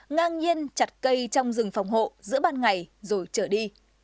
ngang nhiên chặt cây trong rừng phòng hộ giữa ban ngày rồi trở đi